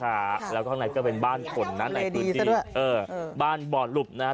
บ้านขาแล้วก็ข้างในก็เป็นบ้านขนนะในคุณที่เออเออบ้านบอดหลุบนะฮะ